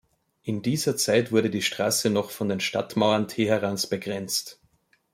In dieser Zeit wurde die Straße noch von den Stadtmauern Teherans begrenzt.